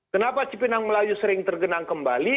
kenapa cipinang melayu sering tergenang kembali